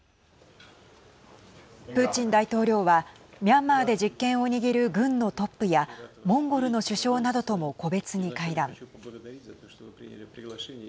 プーチン大統領はミャンマーで実権を握る軍のトップやモンゴルの首相などとも個別に会談。